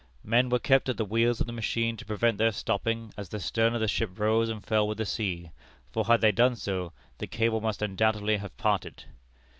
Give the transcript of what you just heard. Men were kept at the wheels of the machine to prevent their stopping as the stern of the ship rose and fell with the sea, for, had they done so, the cable must undoubtedly have parted.